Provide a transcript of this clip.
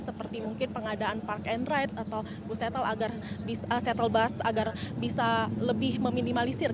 seperti mungkin pengadaan park and ride atau bus settle agar bisa lebih meminimalisir